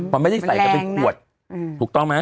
มันไม่ได้ใส่กันเป็นขวดถูกต้องไหม